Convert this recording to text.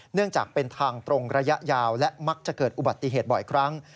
เนื่องจากเป็นทางตรงระยะยาวและมักจะเกิดอุบัติเหตุบ่อยครั้ง